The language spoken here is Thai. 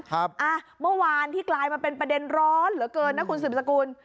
เมื่อวานที่กลายมาเป็นประเด็นร้อนเหลือเกินนะคุณสืบสกุล